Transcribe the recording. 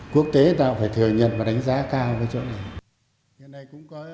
quốc tế ta phải thừa nhận và đánh giá cao với chỗ này